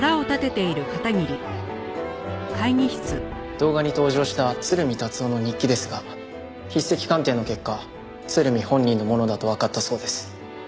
動画に登場した鶴見達男の日記ですが筆跡鑑定の結果鶴見本人のものだとわかったそうです。